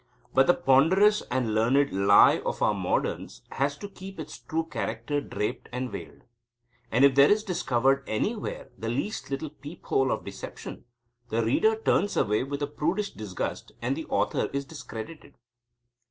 But the ponderous and learned lie of our moderns has to keep its true character draped and veiled. And if there is discovered anywhere the least little peep hole of deception, the reader turns away with a prudish disgust, and the author is discredited.